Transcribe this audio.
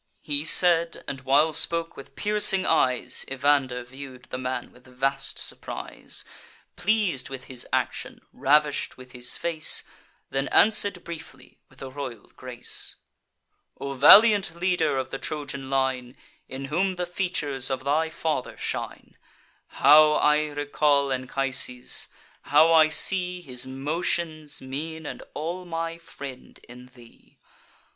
He said; and while spoke, with piercing eyes Evander view'd the man with vast surprise, Pleas'd with his action, ravish'd with his face: Then answer'd briefly, with a royal grace: "O valiant leader of the Trojan line, In whom the features of thy father shine, How I recall Anchises! how I see His motions, mien, and all my friend, in thee!